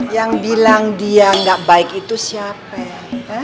yang bilang dia gak baik itu siapa ya